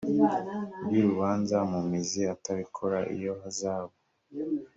ry urubanza mu mizi atabikora iyo hazabu